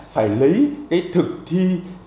phải lấy cái thực thi